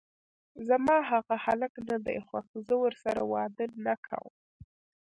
زما هغه هلک ندی خوښ، زه ورسره واده نکوم!